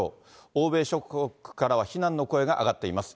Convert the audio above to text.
欧米諸国からは非難の声が上がっています。